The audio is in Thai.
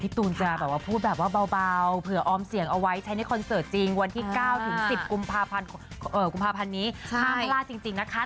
ตูนจะแบบว่าพูดแบบว่าเบาเผื่อออมเสียงเอาไว้ใช้ในคอนเสิร์ตจริงวันที่๙ถึง๑๐กุมภาพันธ์นี้ห้ามพลาดจริงนะคะ